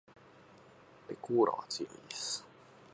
まこーらは強いです